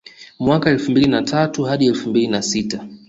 Mwaka elfu mbili na tatu hadi elfu mbili na sita